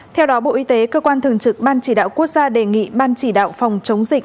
theo đó bộ y tế cơ quan thường trực ban chỉ đạo quốc gia đề nghị ban chỉ đạo phòng chống dịch